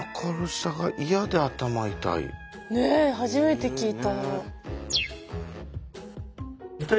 ねえ初めて聞いた。